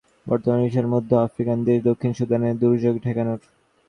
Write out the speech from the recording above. Mission দক্ষিণ সুদানমাহমুদুলের বর্তমান মিশন মধ্য আফ্রিকার দেশ দক্ষিণ সুদানে দুর্যোগ ঠেকানোর।